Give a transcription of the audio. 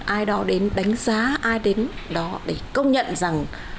ai đó đến đánh giá ai đến đó để công nhận rằng